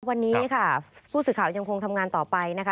วันนี้ค่ะผู้สื่อข่าวยังคงทำงานต่อไปนะคะ